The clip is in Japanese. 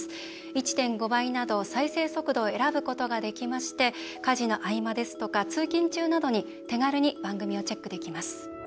１．５倍など再生速度を選ぶことができまして家事の合間ですとか通勤中などに手軽に番組をチェックできます。